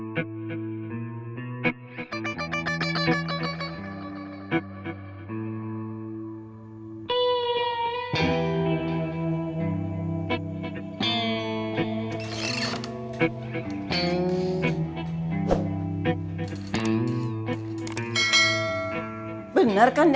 bener kan dia gak ada